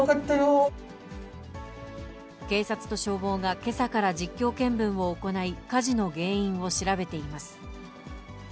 警察と消防がけさから実況見分を行い、火事の原因を調べています。